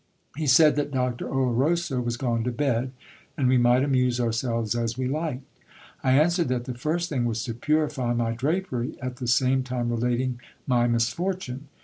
He said that Doctor Oloroso was gone to bed, and we might amuse ourselves as we liked. I answered that the first thing was to purify my drapery, at the same time relating my misfortune.